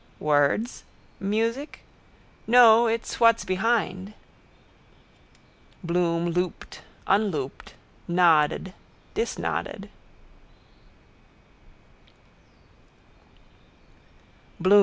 Words? Music? No: it's what's behind. Bloom looped, unlooped, noded, disnoded.